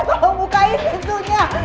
tolong bukain tisu nya